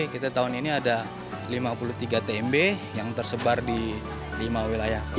kita tahun ini ada lima puluh tiga tmb yang tersebar di lima wilayah